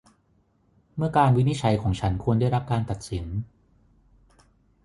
เมื่อการวินิจฉัยของฉันควรได้รับการตัดสิน